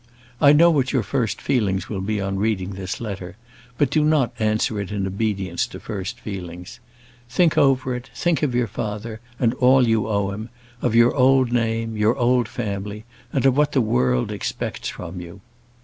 I know what your first feelings will be on reading this letter; but do not answer it in obedience to first feelings. Think over it, think of your father, and all you owe him, of your old name, your old family, and of what the world expects from you.